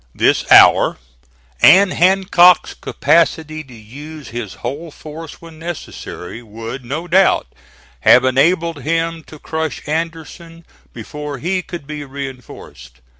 This hour, and Hancock's capacity to use his whole force when necessary, would, no doubt, have enabled him to crush Anderson before he could be reinforced.